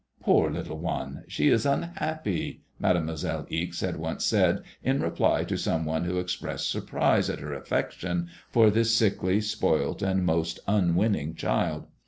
'* Poor little one ! she is un happy," Mademoiselle Ixe had once said in reply to some one who expressed surprise at her affection for this sickly, spoilt, and most unwinning child.